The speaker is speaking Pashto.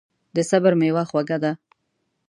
د صبر میوه خوږه ده.